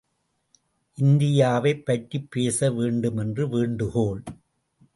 இந்தியாவைப் பற்றிப் பேச வேண்டுமென்று வேண்டுகோள்.